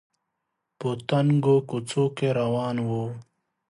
په تنګو کوڅو کې روان و